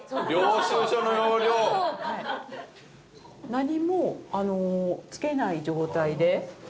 何も付けない状態で。